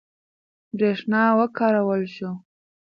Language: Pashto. برېښنا وکارول شوه.